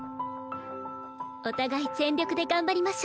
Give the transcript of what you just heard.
お互い全力で頑張りましょう。